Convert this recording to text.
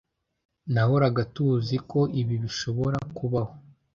Nahoraga tuziko ibi bishobora kubaho.